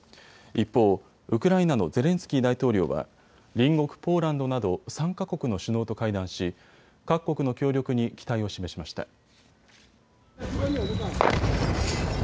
一方、ウクライナのゼレンスキー大統領は隣国ポーランドなど３か国の首脳と会談し各国の協力に期待を示しました。